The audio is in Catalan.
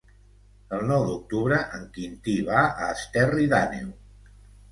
El nou d'octubre en Quintí va a Esterri d'Àneu.